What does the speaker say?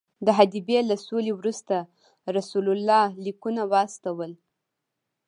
د حدیبیې له سولې وروسته رسول الله لیکونه واستول.